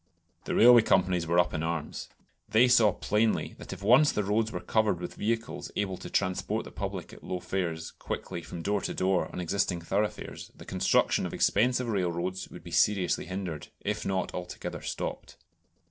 The railway companies were up in arms. They saw plainly that if once the roads were covered with vehicles able to transport the public at low fares quickly from door to door on existing thoroughfares, the construction of expensive railroads would be seriously hindered, if not altogether stopped.